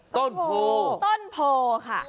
ต้นโพต้นโพค่ะ